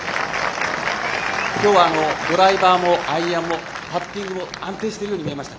今日はドライバーもアイアンもパッティングも安定しているように見えました。